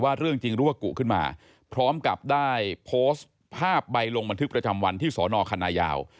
เรื่องจริงรู้ว่ากุขึ้นมาพร้อมกับได้โพสต์ภาพใบลงบันทึกประจำวันที่สอนอคณะยาว